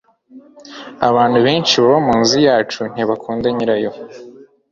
abantu benshi baba munzu yacu ntibakunda nyirayo